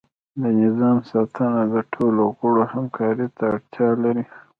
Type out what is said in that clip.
د نظام ساتنه د ټولو غړو همکاری ته اړتیا لري.